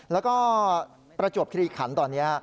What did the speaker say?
แล้วก็ประจวบคิริขันตอนนี้